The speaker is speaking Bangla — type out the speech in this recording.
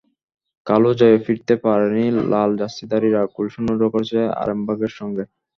কালও জয়ে ফিরতে পারেনি লাল জার্সিধারীরা, গোলশূন্য ড্র করেছে আরামবাগের সঙ্গে।